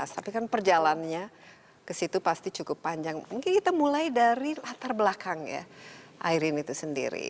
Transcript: tapi kan perjalannya ke situ pasti cukup panjang mungkin kita mulai dari latar belakang ya ayrin itu sendiri